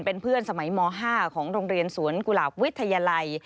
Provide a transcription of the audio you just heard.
เป็นเพื่อนสมัยม๕ของโรงเรียนสวนกุหลาบวิทยาลัย